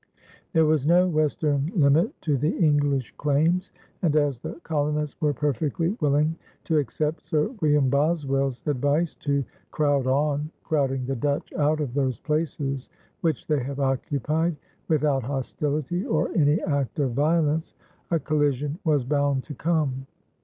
There was no western limit to the English claims, and, as the colonists were perfectly willing to accept Sir William Boswell's advice to "crowd on, crowding the Dutch out of those places which they have occupied, without hostility or any act of violence," a collision was bound to come.